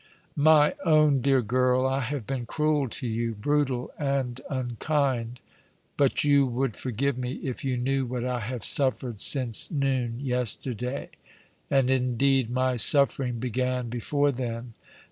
" My own dear girl, I have been cruel to you — brutal and unkind ; but you would forgive me if you knew what I have suffered • since noon yesterday; and, indeed, my suffering began before then.